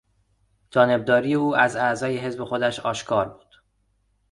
جانبداری او از اعضای حزب خودش آشکار بود.